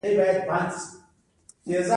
زه له پولیتخنیک پوهنتون څخه فارغ یم